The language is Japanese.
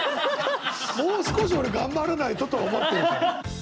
もう少し俺頑張らないととは思ってるから。